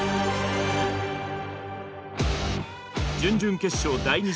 準々決勝第２試合。